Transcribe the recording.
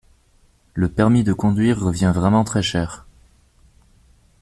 Le permis de conduire revient vraiment très cher.